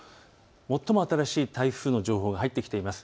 最も新しい台風の情報が入ってきています。